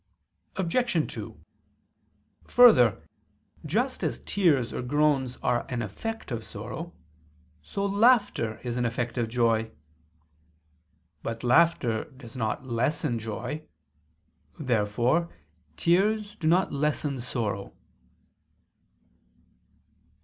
Obj. 2: Further, just as tears or groans are an effect of sorrow, so laughter is an effect of joy. But laughter does not lessen joy. Therefore tears do not lessen sorrow.